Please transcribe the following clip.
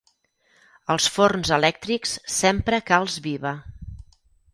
Als forns elèctrics s'empra calç viva.